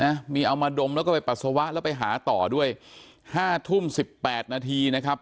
นะมีเอามาดมแล้วก็ไปปัสสาวะแล้วไปหาต่อด้วยห้าทุ่มสิบแปดนาทีนะครับ